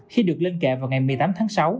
khi được lên kệ vào ngày một mươi tám tháng sáu